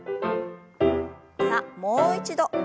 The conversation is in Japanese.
さあもう一度。